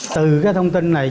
từ cái thông tin này